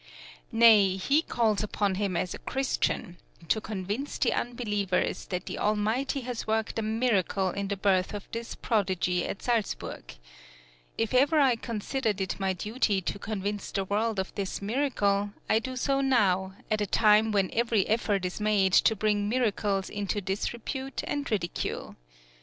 Nay, he calls upon him as a Christian to convince the unbelievers that the Almighty has worked a miracle in the birth of this prodigy at Salzburg: If ever I considered it my duty to convince the world of this miracle I do so now, at a time when every effort is made to bring miracles into disrepute and ridicule.